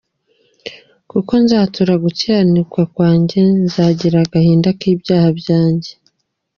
Kuko nzatura gukiranirwa kwanjye, Nzagira agahinda k’ibyaha byanjye.